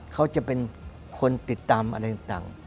เขาจะเป็นคนติดตามอะไรต่าง